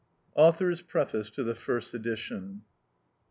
R. B. H. J. K. PREFACE TO THE FIRST EDITION.